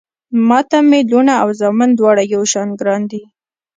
ما ته مې لوڼه او زامن دواړه يو شان ګران دي